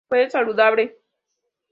Fue saludable.